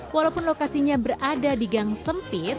walaupun lokasinya berada di gang sempit